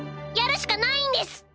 やるしかないんです！